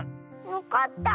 わかった。